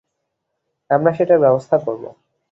আমরা সেটার ব্যবস্থা করবো।